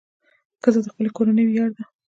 ښځه د خپلې کورنۍ ویاړ ده.